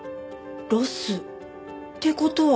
ロス？って事は。